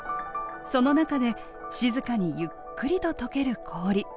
その中で静かにゆっくりと溶ける氷。